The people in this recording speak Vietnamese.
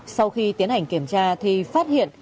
sau khi tiến hành kiểm tra thì phát hiện